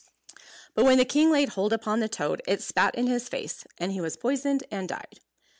But when the king laid hold upon the toad, it spat in his face; and he was poisoned and died.